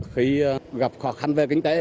khi gặp khó khăn về kinh tế